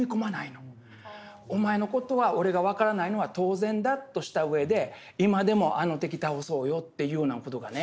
お前の事は俺が分からないのは当然だとしたうえで今でもあの敵倒そうよというような事がね